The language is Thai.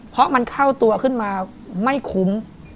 เพราะมันเข้าตัวขึ้นมาไม่คุ้ม